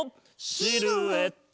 シルエット！